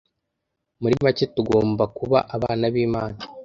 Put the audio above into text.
muri make tugomba kuba abana b’imana